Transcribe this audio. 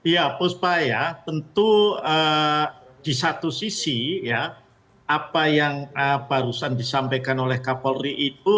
ya buspa ya tentu di satu sisi apa yang barusan disampaikan oleh kak polri itu